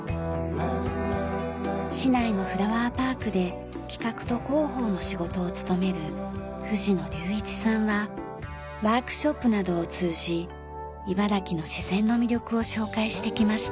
市内のフラワーパークで企画と広報の仕事を務める藤野龍一さんはワークショップなどを通じ茨城の自然の魅力を紹介してきました。